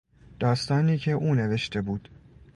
داستانی که او نوشته بود